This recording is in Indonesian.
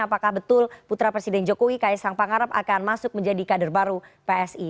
apakah betul putra presiden jokowi kaisang pangarap akan masuk menjadi kader baru psi